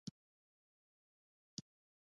نجلۍ له زړګي خندا کوي.